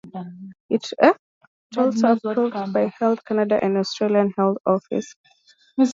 It was also approved by Health Canada and the Australian health office.